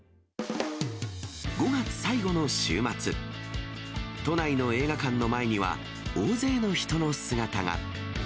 ５月最後の週末、都内の映画館の前には、大勢の人の姿が。